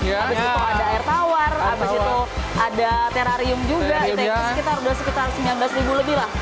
abis itu ada air tawar abis itu ada terarium juga itu sekitar sembilan belas lebih lah